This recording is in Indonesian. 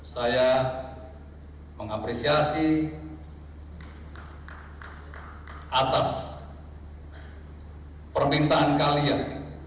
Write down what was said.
saya mengapresiasi atas permintaan kalian